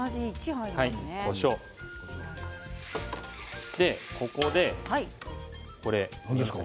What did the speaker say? こしょう、何ですか？